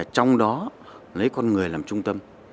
trong đó lấy con người làm trung tâm